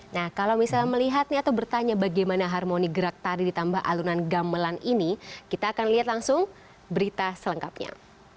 nah kalau misalnya melihat nih atau bertanya bagaimana harmoni gerak tari ditambah alunan gamelan ini kita akan lihat langsung berita selengkapnya